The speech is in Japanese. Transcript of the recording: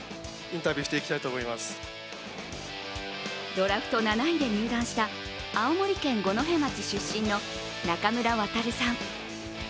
ドラフト７位で入団した青森県五戸町出身の中村渉さん。